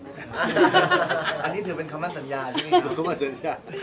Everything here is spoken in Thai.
อันนี้เธอเป็นคำสัญญาใช่มั้ยครับ